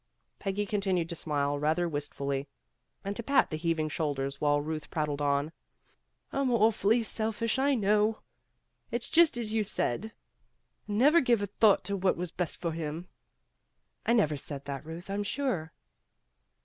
Peggy continued to smile rather wistfully and to pat the heaving shoulders while Euth THE MOST WONDERFUL THING 139 prattled on. "I'm awfully selfish, I know. It's just as you said. I never gave a thought to what was best for him." "I never said that, Kuth, I'm sure."